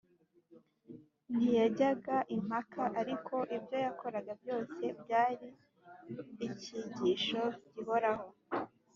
. Ntiyajyaga impaka, ariko ibyo yakoraga byose byari icyigisho gihoraho